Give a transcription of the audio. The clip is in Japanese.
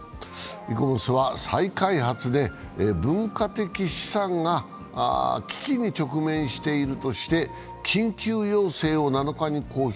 イコモスは再開発で文化的資産が危機に直面しているとして緊急要請を７日に要請。